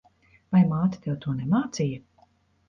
Vai māte tev to nemācīja?